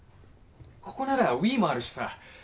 ここならＷｉｉもあるしさ。